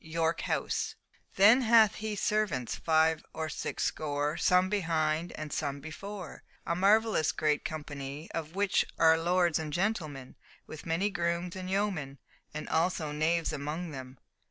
YORK HOUSE "Then hath he servants five or six score, Some behind and some before; A marvellous great company Of which are lords and gentlemen, With many grooms and yeomen And also knaves among them."